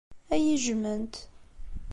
Ad iyi-jjment.